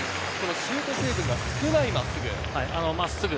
シュート成分が少ない真っすぐ。